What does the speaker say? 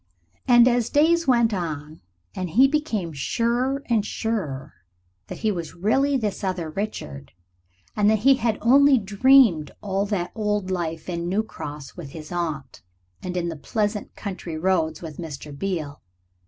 And days went on, and he became surer and surer that he was really this other Richard, and that he had only dreamed all that old life in New Cross with his aunt and in the pleasant country roads with Mr. Beale.